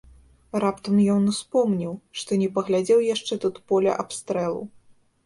Раптам ён успомніў, што не паглядзеў яшчэ тут поля абстрэлу.